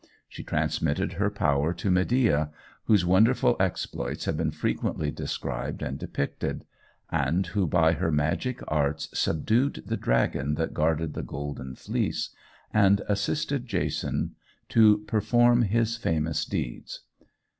She transmitted her power to Medea, whose wonderful exploits have been frequently described and depicted, and who by her magic arts subdued the dragon that guarded the golden fleece, and assisted Jason to perform his famous deeds.